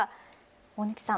大貫さん